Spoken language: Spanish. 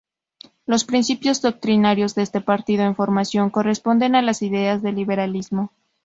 Los principios doctrinarios de este partido en formación corresponden a las ideas del liberalismo.